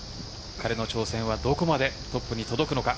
彼の挑戦はどこまでトップに届くのか。